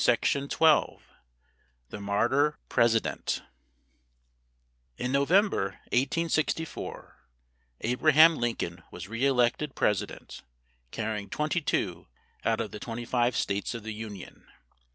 CHAPTER XII THE MARTYR PRESIDENT In November, 1864, Abraham Lincoln was re elected President, carrying twenty two out of the twenty five states of the Union.